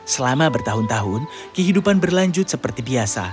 selama bertahun tahun kehidupan berlanjut seperti biasa